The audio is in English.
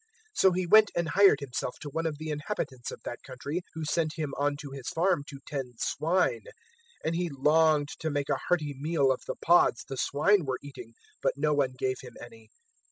015:015 So he went and hired himself to one of the inhabitants of that country, who sent him on to his farm to tend swine; 015:016 and he longed to make a hearty meal of the pods the swine were eating, but no one gave him any.